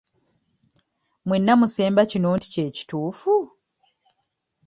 Mwenna musemba kino nti kye kituufu?